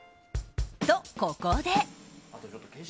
と、ここで。